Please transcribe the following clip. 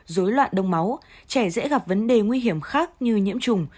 dối loạn đông máu trẻ dễ gặp vấn đề nguy hiểm khác như nhiễm trùng